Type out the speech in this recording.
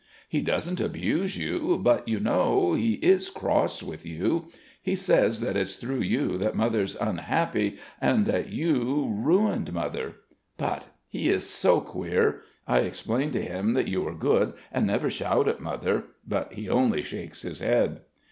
"He doesn't abuse you, but you know ... he is cross with you. He says that it's through you that Mother's unhappy and that you ... ruined Mother. But he is so queer! I explain to him that you are good and never shout at Mother, but he only shakes his head."